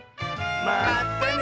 まったね！